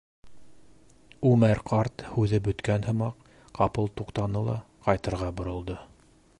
Үмәр ҡарт, һүҙе бөткән һымаҡ, ҡапыл туҡтаны ла ҡайтырға боролдо.